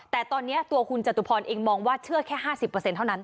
แต่ตอนนี้ตัวคุณจตุพรเองมองว่าเชื่อแค่๕๐เท่านั้น